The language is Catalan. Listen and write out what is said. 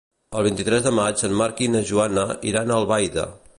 El vint-i-tres de maig en Marc i na Joana iran a Albaida.